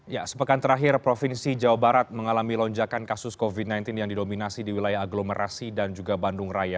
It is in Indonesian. ya sepekan terakhir provinsi jawa barat mengalami lonjakan kasus covid sembilan belas yang didominasi di wilayah aglomerasi dan juga bandung raya